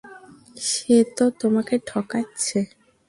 সে তো তোমাকে ঠকাচ্ছে।